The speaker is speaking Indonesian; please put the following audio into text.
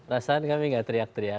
perasaan kami nggak teriak teriak